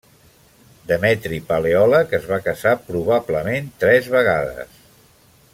Demetri Paleòleg es va casar probablement tres vegades.